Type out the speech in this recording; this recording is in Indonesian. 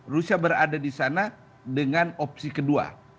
rusia berada di sana dengan opsi kedua